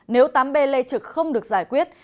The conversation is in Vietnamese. nếu tám b lê trực không được giải quyết